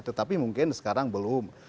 tetapi mungkin sekarang belum